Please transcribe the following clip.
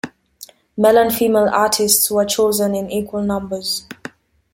Male and female artists were chosen in equal numbers.